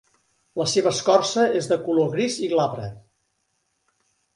La seva escorça és de color gris i glabre.